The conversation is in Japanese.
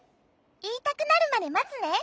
いいたくなるまでまつね。